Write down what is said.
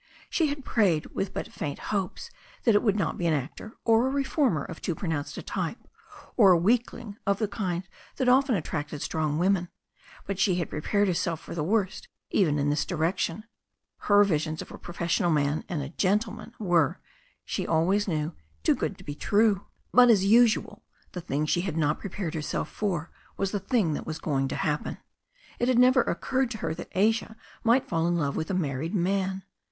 She had prayed with but faint 304 THE STORY OF A NEW ZEALAND RIVER hopes that it would not be an actor, or a reformer of too pronounced a type, or a weakling of the kind that often attracted strong women, but she had prepared herself for the worst even in this direction. Her visions of a profes sional man and a "gentleman" were, she always knew, too good to be true. But, as usual, the thing she had not prepared herself for was the thing that was going to happen. It had never oc curred to her that Asia might fall in love with a married man.